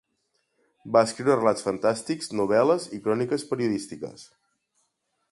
Va escriure relats fantàstics, novel·les i cròniques periodístiques.